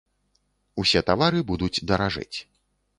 Усе тавары будуць даражэць.